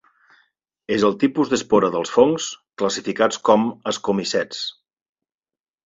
És el tipus d'espora dels fongs classificats com ascomicets.